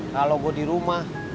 kalau gue di rumah